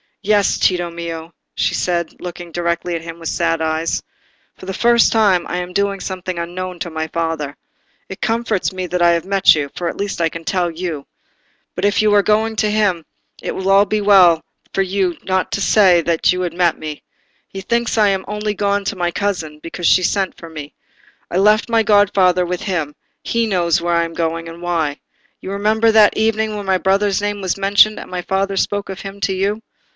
"Yes, Tito mio," she said, looking directly at him with sad eyes. "For the first time I am doing something unknown to my father. It comforts me that I have met you, for at least I can tell you. But if you are going to him, it will be well for you not to say that you met me. He thinks I am only gone to my cousin, because she sent for me. I left my godfather with him: he knows where I am going, and why. You remember that evening when my brother's name was mentioned and my father spoke of him to you?"